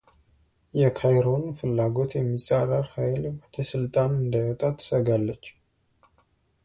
የካይሮን ፍላጎት የሚጻረር ኃይል ወደ ስልጣን እንዳይወጣ ትሰጋለች።